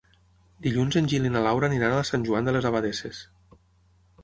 Dilluns en Gil i na Laura aniran a Sant Joan de les Abadesses.